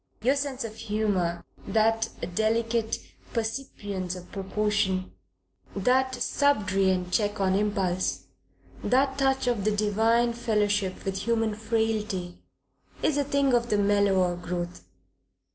Your sense of humour, that delicate percipience of proportion, that subrident check on impulse, that touch of the divine fellowship with human frailty, is a thing of mellower growth.